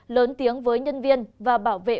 lớn tiếng với nhân viên và bảo vệ